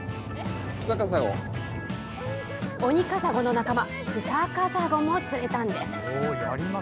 オニカサゴの仲間フサカサゴも釣れたんです。